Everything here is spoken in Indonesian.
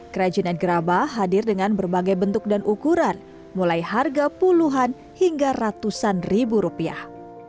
kerajinan gerabah hadir dengan berbagai bentuk dan ukuran mulai harga puluhan hingga ratusan ribu rupiah